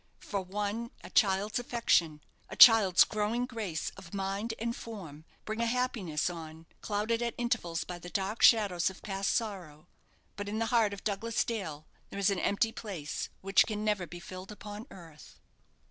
For one a child's affection a child's growing grace of mind and form, bring a happiness on, clouded at intervals by the dark shadows of past sorrow. But in the heart of Douglas Dale there is an empty place which can never be filled upon earth.